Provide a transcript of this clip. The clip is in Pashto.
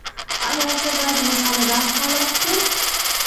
ایا زه باید مساله دار خواړه وخورم؟